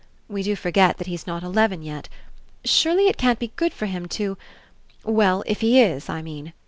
We do forget that he's not eleven yet. Surely it can't be good for him to — well, if he is, I mean.